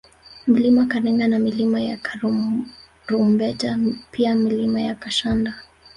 Mlima Karenga na Milima ya Karurumpeta pia Milima ya Kashanda